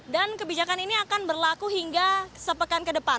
dan kebijakan ini akan berlaku hingga sepekan ke depan